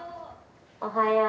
おはよう。